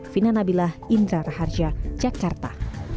fina nabilah indra raharja jakarta